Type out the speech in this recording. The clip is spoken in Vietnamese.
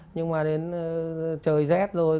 nhưng mà đến trời rét rồi